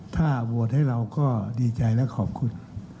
ถ้าโหวตให้เราก็ดีใจและขอบคุณ